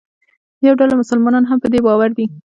یوه ډله مسلمانان هم په دې باور دي.